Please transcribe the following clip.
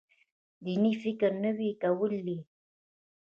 دیني فکر نوی کول دی.